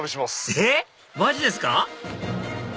えっ⁉マジですか？